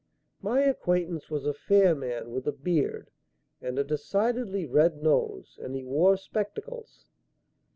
My acquaintance was a fair man with a beard and a decidedly red nose and he wore spectacles."